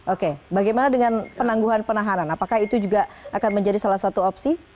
oke bagaimana dengan penangguhan penahanan apakah itu juga akan menjadi salah satu opsi